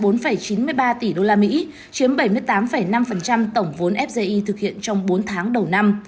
tổng chín mươi ba tỷ usd chiếm bảy mươi tám năm tổng vốn fge thực hiện trong bốn tháng đầu năm